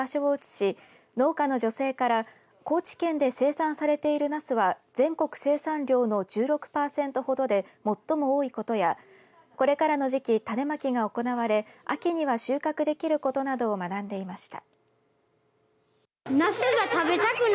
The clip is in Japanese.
このあと、子どもたちは学校に場所を移し農家の女性から高知県で生産されているナスは全国生産量の１６パーセントほどで最も多いことやこれからの時期、種まきが行われ秋には収穫できることなどを学んでいました。